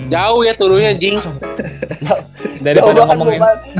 jauh ya turunnya jing